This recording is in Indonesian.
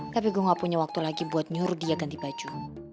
tapi gue gak punya waktu lagi buat nyuruh dia ganti baju